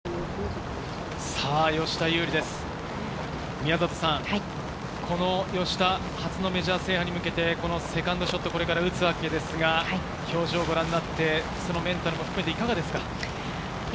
宮里さん、吉田、初のメジャー制覇に向けてセカンドショットをこれから打つわけですが、表情をご覧になって、そのメンタルも含めていかがですか？